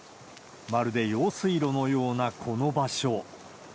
まるで用水路のようなこの場所。